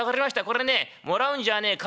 これねもらうんじゃねえ